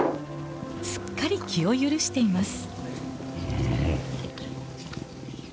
すっかり気を許しています。